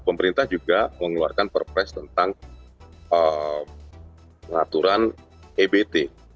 pemerintah juga mengeluarkan perpres tentang pengaturan ebt